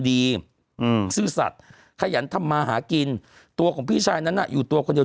อืมซื่อสัตว์ขยันทำมาหากินตัวของพี่ชายนั้นน่ะอยู่ตัวคนเดียว